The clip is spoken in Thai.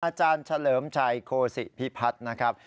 อาจารย์เฉลิมชัยโคศิพิพัฒน์นะครับ